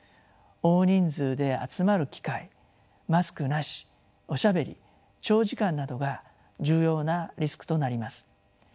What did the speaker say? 大人数で集まる機会マスクなしおしゃべり長時間などが重要なリスクとなります。